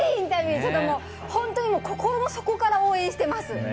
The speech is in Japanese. ちょっともう、本当に心の底から応援してます。